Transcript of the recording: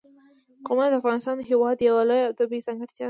قومونه د افغانستان هېواد یوه لویه او طبیعي ځانګړتیا ده.